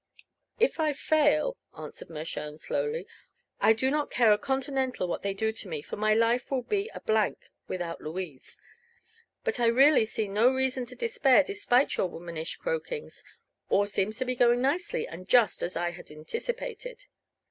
"If I fail," answered Mershone, slowly, "I do not care a continental what they do to me, for my life will be a blank without Louise. But I really see no reason to despair, despite your womanish croakings. All seems to be going nicely and just as I had anticipated."